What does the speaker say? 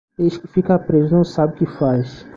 Peixe que fica preso, não sabe o que faz.